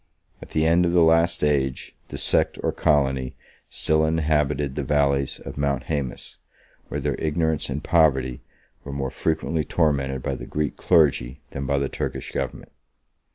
At the end of the last age, the sect or colony still inhabited the valleys of Mount Haemus, where their ignorance and poverty were more frequently tormented by the Greek clergy than by the Turkish government.